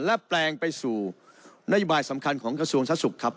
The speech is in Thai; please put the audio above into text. และแปลงไปสู่นโยบายสำคัญของกระทรวงสาธารสุขครับ